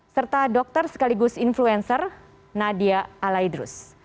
serta dokter sekaligus influencer nadia alaidrus